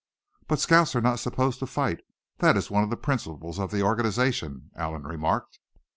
"But scouts are not supposed to fight; that is one of the principles of the organization," Allan remarked.